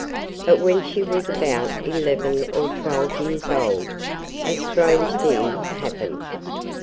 But when she was about eleven or twelve years old, a strange thing happened.